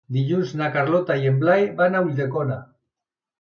Dilluns na Carlota i en Blai van a Ulldecona.